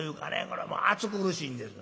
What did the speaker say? これもう暑苦しいんです。